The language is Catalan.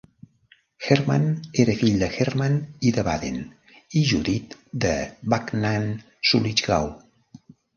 Hermann era fill de Hermann I de Baden i Judit de Backnang-Sulichgau.